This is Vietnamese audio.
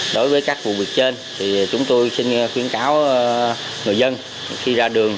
đối với các vụ việc trên thì chúng tôi xin khuyến cáo người dân khi ra đường